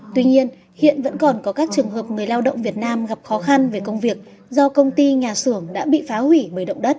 tuy nhiên hiện vẫn còn có các trường hợp người lao động việt nam gặp khó khăn về công việc do công ty nhà xưởng đã bị phá hủy bởi động đất